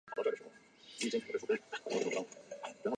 他的王位由儿子法尔纳乔姆继承。